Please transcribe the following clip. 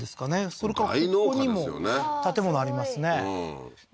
それからここにも建物ありますねで